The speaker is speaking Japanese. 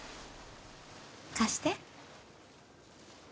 貸して。